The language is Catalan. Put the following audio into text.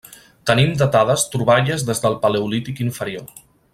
Tenim datades troballes des del Paleolític Inferior.